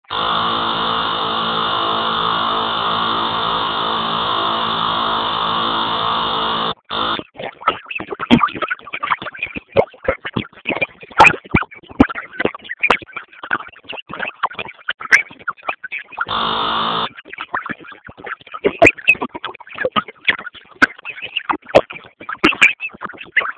د نجات لاره وتړل سوه.